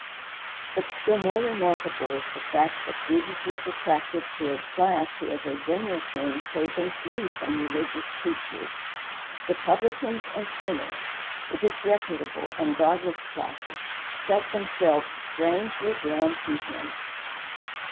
But still more remarkable is the fact that Jesus was attractive to a class who as a general thing hate and flee from religious teachers. The publicans and sinners, the disreputable and godless classes, felt themselves strangely drawn to him.